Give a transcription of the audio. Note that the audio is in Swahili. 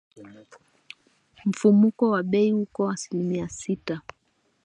Mfumuko wa bei uko asilimia sita.